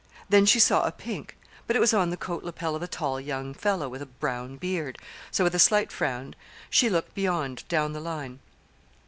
Then she saw a pink but it was on the coat lapel of a tall young fellow with a brown beard; so with a slight frown she looked beyond down the line.